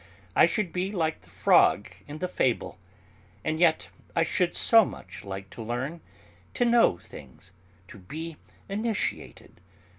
I should be like the frog in the fable! And yet I should so much like to learn, to know things, to be initiated.